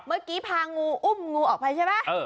เมื่อกี้พางูอุ้มงูออกไปใช่ไหม